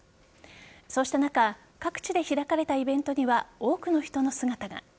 そうした中各地で開かれたイベントには多くの人の姿が。